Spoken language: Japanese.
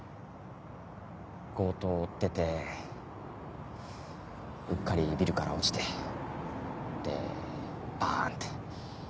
強盗を追っててうっかりビルから落ちてでバンて。